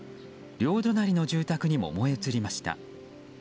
両隣の住宅にも燃え移りました。